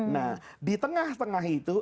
nah di tengah tengah itu